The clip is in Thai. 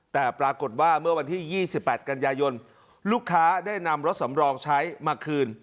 แต่ปรากฏว่าเมื่อวันที่๒๘กันยายนลูกค้าได้นำรถสำรองใช้มาคืน